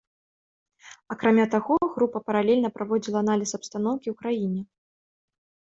Акрамя таго, група паралельна праводзіла аналіз абстаноўкі ў краіне.